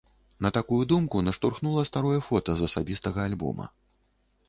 На такую думку наштурхнула старое фота з асабістага альбома.